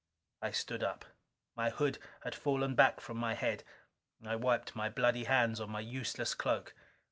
I stood up. My hood had fallen back from my head. I wiped my bloody hands on my useless cloak.